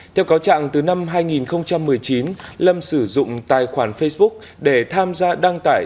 theo cáo trạng từ năm hai nghìn một mươi chín lâm sử dụng tài khoản facebook để tham gia đăng tải